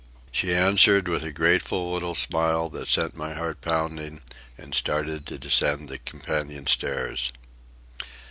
She answered with a grateful little smile that sent my heart pounding, and started to descend the companion stairs.